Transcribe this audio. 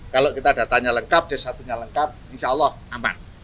kalau kita datanya lengkap desatunya lengkap insya allah aman